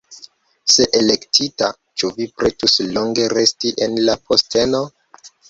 Se elektita, ĉu vi pretus longe resti en la posteno?